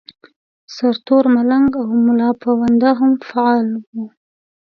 سرتور ملنګ او ملاپوونده هم فعال وو.